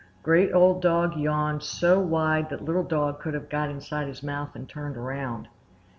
Great Old Dog yawned so wide that Little Dog could have got inside his mouth and turned around.